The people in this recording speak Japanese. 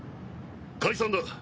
解散だ。